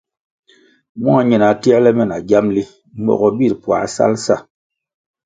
Mua ñina tierle me na giamli mogo bir puáh sal sa.